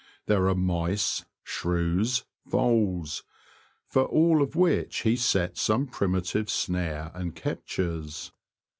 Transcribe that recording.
There are mice, shrews, voles, for all of which he sets some primitive snare and captures.